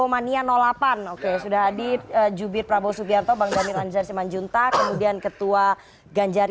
mania delapan oke sudah adit jubir prabowo subianto bang jamil anjar simanjuntak kemudian ketua ganjar